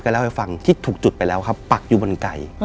เล่าให้ฟังที่ถูกจุดไปแล้วครับปักอยู่บนไก่